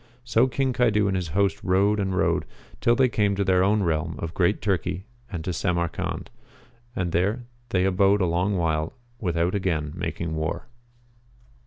So King Caidu and his host rode and rode, till they came to their own realm of Great Turkey and to Samarcand ; and there they abode a long while without again making war.